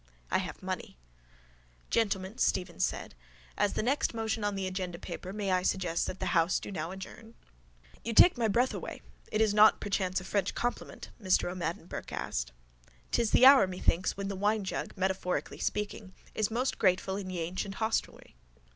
I have money. —Gentlemen, Stephen said. As the next motion on the agenda paper may I suggest that the house do now adjourn? —You take my breath away. It is not perchance a French compliment? Mr O'Madden Burke asked. 'Tis the hour, methinks, when the winejug, metaphorically speaking, is most grateful in Ye ancient hostelry.